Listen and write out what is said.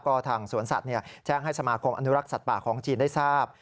ก็ทางสวนสัตว์แจ้งให้สมาคมอนุรักษ์สัตว์ป่าของจีนได้ทราบ